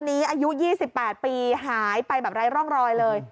อายุ๒๘ปีหายไปแบบไร้ร่องรอยเลย